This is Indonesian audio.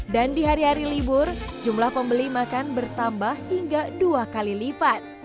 dan di hari hari libur jumlah pembeli makan bertambah hingga dua kali lipat